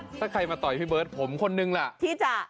ถ้าใครมาต่อยพี่เบิร์ตผมคนนึงล่ะที่จะ